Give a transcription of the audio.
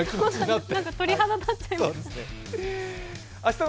なんか鳥肌立っちゃいました。